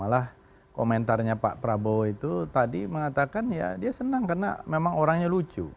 malah komentarnya pak prabowo itu tadi mengatakan ya dia senang karena memang orangnya lucu